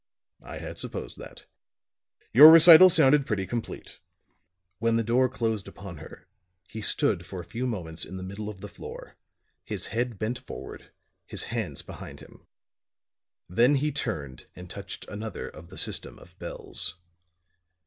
"I had supposed that. Your recital sounded pretty complete." When the door closed upon her, he stood for a few moments in the middle of the floor, his head bent forward, his hands behind him. Then he turned and touched another of the system of bells.